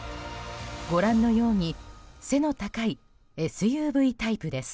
ご覧のように、背の高いＳＵＶタイプです。